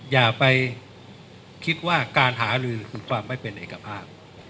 อย่าไปคิดว่าการหาลือคือความไม่เป็นเอกภาพ